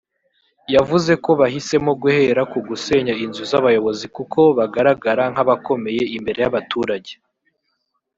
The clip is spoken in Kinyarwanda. yavuze ko bahisemo guhera ku gusenya inzu z’abayobozi kuko bagaragara nk’abakomeye imbere y’abaturage